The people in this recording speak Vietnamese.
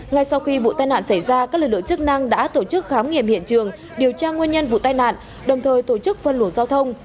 ngay sau khi vụ tai nạn xảy ra các lực lượng chức năng đã tổ chức khám nghiệm hiện trường điều tra nguyên nhân vụ tai nạn đồng thời tổ chức phân luồng giao thông